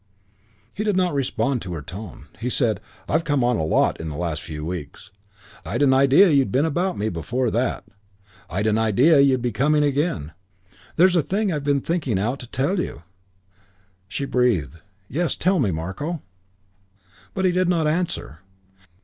He did not respond to her tone. He said, "I've come on a lot in the last few weeks. I'd an idea you'd been about me before that. I'd an idea you'd be coming again. There's a thing I've been thinking out to tell you." She breathed, "Yes, tell me, Marko." But he did not answer.